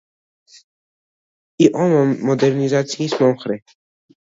იყო მოდერნიზაციის მომხრე.